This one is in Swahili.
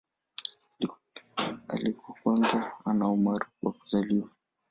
Alikuwa kwanza ana umaarufu wa kuzaliwa.